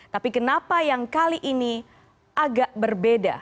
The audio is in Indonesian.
tapi kenapa yang kali ini agak berbeda